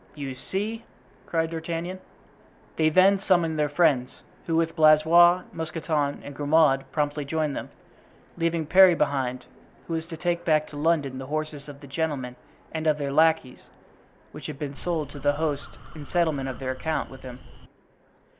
"You see!" cried D'Artagnan. They then summoned their friends, who, with Blaisois, Mousqueton and Grimaud, promptly joined them, leaving Parry behind them, who was to take back to London the horses of the gentlemen and of their lackeys, which had been sold to the host in settlement of their account with him.